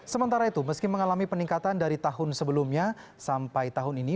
sementara itu meski mengalami peningkatan dari tahun sebelumnya sampai tahun ini